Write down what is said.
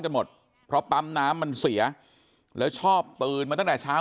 หมดเพราะปั๊มน้ำมันเสียแล้วชอบตื่นมาตั้งแต่เช้า